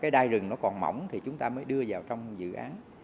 đai rừng còn mỏng thì chúng ta mới đưa vào dự án